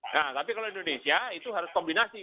nah tapi kalau indonesia itu harus kombinasi